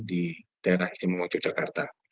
di daerah istimewa yogyakarta